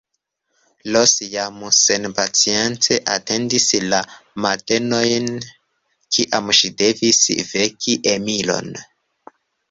Ros jam senpacience atendis la matenojn, kiam ŝi devis veki Emilon.